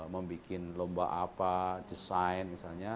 membuat lomba apa desain misalnya